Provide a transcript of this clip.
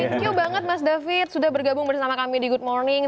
thank you banget mas david sudah bergabung bersama kami di good morning